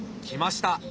来ました。